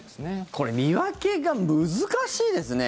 これ見分けが難しいですね。